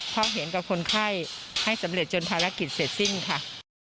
เพราะเห็นกับคนไข้ให้สำเร็จจนภารกิจเสร็จสิ้นค่ะ